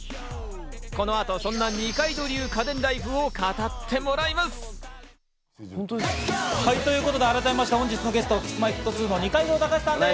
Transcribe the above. この後、そんな二階堂流家電ＬＩＦＥを語ってもらいます！ということで改めまして本日のゲスト、Ｋｉｓ−Ｍｙ−Ｆｔ２の二階堂高嗣さんです。